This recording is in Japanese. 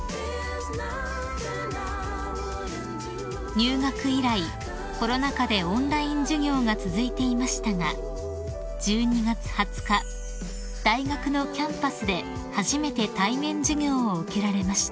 ［入学以来コロナ禍でオンライン授業が続いていましたが１２月２０日大学のキャンパスで初めて対面授業を受けられました］